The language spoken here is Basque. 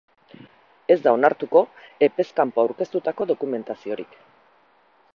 Ez da onartuko epez kanpo aurkeztutako dokumentaziorik.